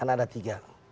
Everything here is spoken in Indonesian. karena ada tiga